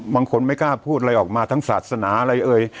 ไม่กล้าพูดอะไรออกมาทั้งศาสนาอะไรเอ่ย